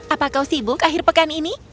apa kau sibuk akhir pekan ini